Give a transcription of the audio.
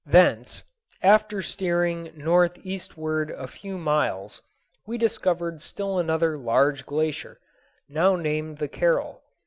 Thence, after steering northeastward a few miles, we discovered still another large glacier, now named the Carroll.